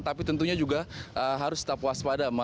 tapi tentunya juga harus tetap waspada